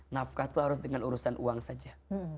nafkah itu harus dengan urusan uang saja